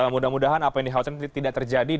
mudah mudahan apa yang dikhawatirkan tidak terjadi